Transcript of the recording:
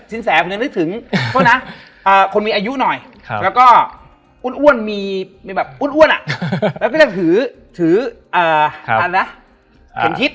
สินแสก็คือนึกถึงขอโทษนะคนมีอายุหน่อยแล้วก็อ้วนมีแบบอ้วนอะแล้วก็จะถือถือเอ่อเอาละเป็นทิศ